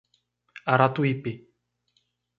Aratuípe